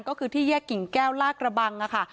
ก็คือที่แยกกิ่งแก้วลากระบังค่ะ